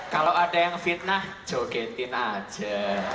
kalau ada yang fitnah jogetin aja